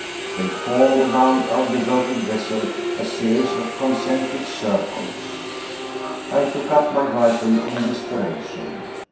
They formed around our devoted vessel a series of concentric circles. I took up my rifle in desperation.